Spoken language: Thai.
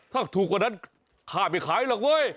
ถ้าถูกกว่านั้นข้าไม่ขายหรอกเว้ย